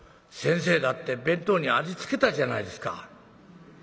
先生だって弁当にありつけたじゃないですか」。